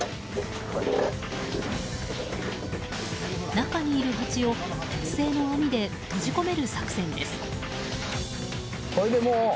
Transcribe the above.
中にいるハチを鉄製の網で閉じ込める作戦です。